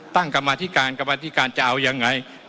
กรรมาธิการกรรมธิการจะเอายังไง